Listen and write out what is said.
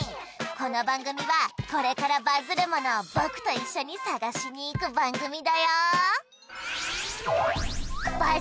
この番組はこれからバズるものを僕と一緒に探しに行く番組だよ